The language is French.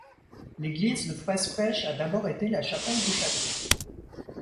L'église de Frespech a d'abord été la chapelle du château.